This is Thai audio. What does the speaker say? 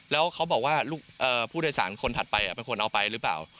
แล้วเขาบอกว่าผู้โดยสารคนถัดไปเป็นคนเอาไปหรือเปล่า